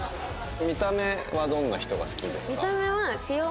見た目はどんな人が好きですか？